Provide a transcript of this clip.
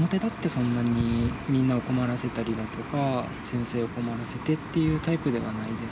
そんなにみんなを困らせたりだとか、先生を困らせてっていうタイプではないです。